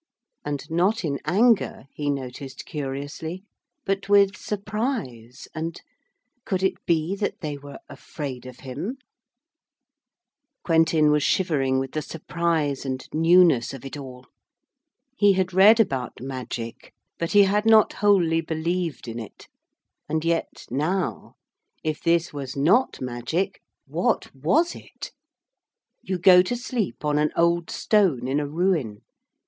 And not in anger, he noticed curiously, but with surprise and ... could it be that they were afraid of him? [Illustration: 'Who are you?' he said. 'Answer, I adjure you by the sacred Tau!'] Quentin was shivering with the surprise and newness of it all. He had read about magic, but he had not wholly believed in it, and yet, now, if this was not magic, what was it? You go to sleep on an old stone in a ruin.